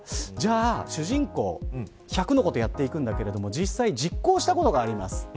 主人公、１００のことをやっていくんだけど実際、実行したことがあります。